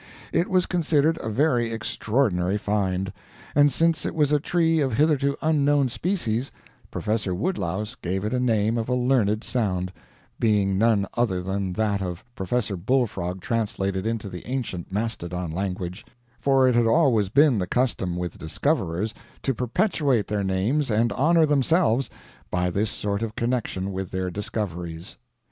It was considered a very extraordinary find; and since it was a tree of a hitherto unknown species, Professor Woodlouse gave it a name of a learned sound, being none other than that of Professor Bull Frog translated into the ancient Mastodon language, for it had always been the custom with discoverers to perpetuate their names and honor themselves by this sort of connection with their discoveries.